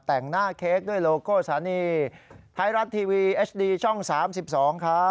แต่งหน้าเค้กด้วยโลโก้ศรรีไทรัติทีวีช่อง๓๒ครับ